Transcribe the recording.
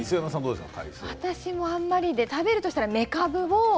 私もあんまりで食べるとしたらめかぶ。